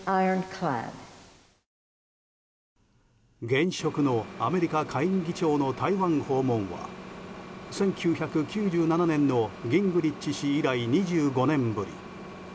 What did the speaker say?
現職のアメリカ下院議長の台湾訪問は１９９７年のギングリッチ氏以来２５年ぶり。